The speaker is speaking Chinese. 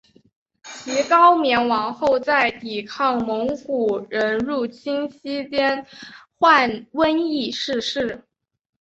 其高棉王后在抵抗蒙古人入侵期间患瘟疫逝世。